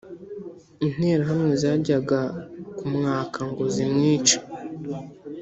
interahamwe zajyaga kumwaka ngo zimwice